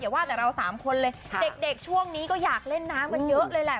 ว่าแต่เราสามคนเลยเด็กช่วงนี้ก็อยากเล่นน้ำกันเยอะเลยแหละ